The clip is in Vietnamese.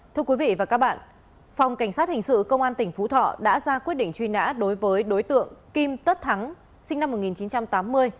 thưa quý vị và các bạn phòng cảnh sát hình sự công an tỉnh phú thọ đã ra quyết định truy nã đối với đối tượng kim tất thắng sinh năm một nghìn chín trăm tám mươi